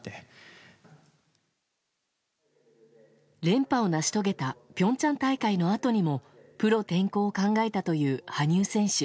連覇を成し遂げた平昌大会のあとにもプロ転向を考えたという羽生選手。